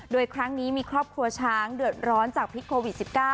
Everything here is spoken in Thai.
โดยครั้งนี้มีครอบครัวช้างเดือดร้อนจากพิษโควิด๑๙